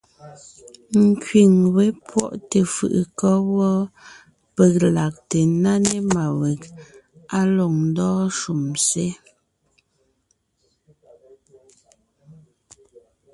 Nkẅíŋ wé pwɔ́ʼte fʉʼʉ kɔ́ wɔ́ peg lagte ńná ne má weg á lɔg ndɔ́ɔn shúm sé.